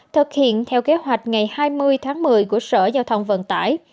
thực hiện theo kế hoạch ngày hai mươi tháng một mươi của sở giao thông vận tải